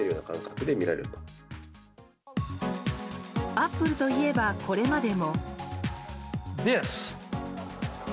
アップルといえばこれまでも。